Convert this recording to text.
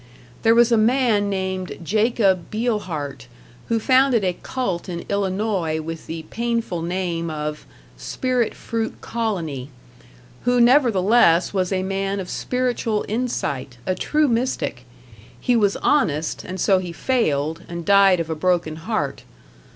There was a man named Jacob Beilhardt, who founded a cult in Illinois with the painful name of "Spirit Fruit Colony", who nevertheless was a man of spiritual insight, a true mystic; he was honest, and so he failed, and died of a broken heart.